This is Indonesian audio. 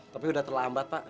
tapi udah terlambat pak